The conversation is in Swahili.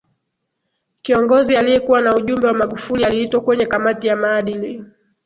kiongozi aliyekuwa na ujumbe wa magufuli aliitwa kwenye kamati ya maadili